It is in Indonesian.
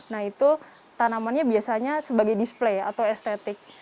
nah itu tanamannya biasanya sebagai display atau estetik